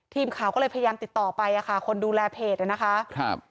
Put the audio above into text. ทีมข่าวก็เลยพยายามติดต่อไปอ่ะค่ะคนดูแลเพจนะคะครับ